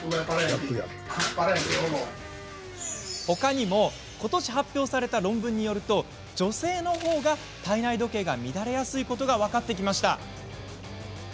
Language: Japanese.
ほかにもことし発表された論文によると女性のほうが体内時計が乱れやすいことが分かってきました。